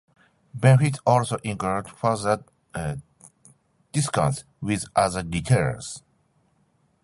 Benefits also include further discounts with other retailers.